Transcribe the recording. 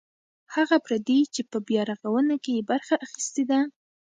هغه پردي چې په بیارغاونه کې یې برخه اخیستې ده.